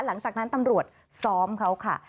หลังจากนั้นตำรวจซ้อมเขาค่ะ